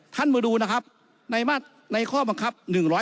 ท่านมดูนะครับในข้อบังคับ๑๓๘